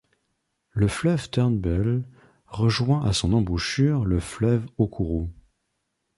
Le fleuve Turnbull rejoint à son embouchure le fleuve Okuru.